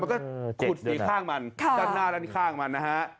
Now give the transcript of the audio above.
จะขูดสีข้างมันด้านหน้าด้านข้างมัน